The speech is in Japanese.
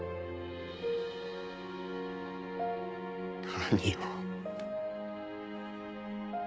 何を。